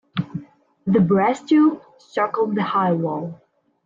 The brass tube circled the high wall.